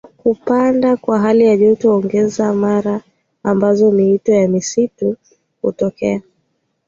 Kupanda kwa hali joto huongeza mara ambazo mioto ya msituni hutokea